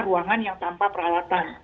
ruangan yang tanpa peralatan